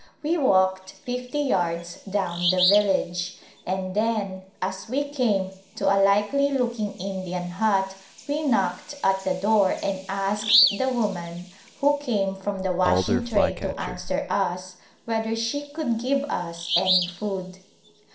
We walked fifty yards down the village, and then, as we came to a likely looking Indian hut, we knocked at the door and asked the woman, who came from the washing tray to answer us, whether she could give us any food.